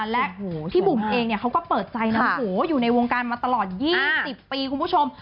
และพี่บุ๋มเองเขาก็เปิดใจนะโอ้โหอยู่ในวงการมาตลอด๒๐ปีคุณผู้ชม